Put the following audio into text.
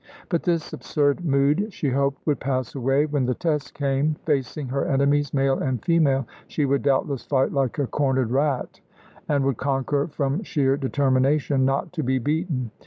But this absurd mood, she hoped, would pass away when the test came. Facing her enemies, male and female, she would doubtless fight like a cornered rat, and would conquer from sheer determination not to be beaten.